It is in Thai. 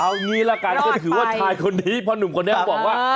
เอางี้ละกันก็ถือว่าชายคนนี้พ่อหนุ่มคนนี้เขาบอกว่า